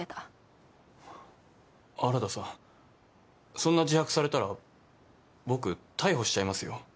そんな自白されたら僕逮捕しちゃいますよ。